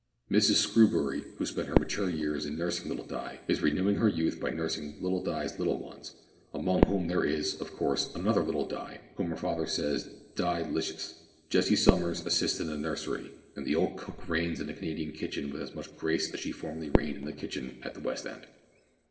Mrs Screwbury, who spent her mature years in nursing little Di, is renewing her youth by nursing little Di's little ones, among whom there is, of course, another little Di whom her father styles Di licious. Jessie Summers assists in the nursery, and the old cook reigns in the Canadian kitchen with as much grace as she formerly reigned in the kitchen at the "West End."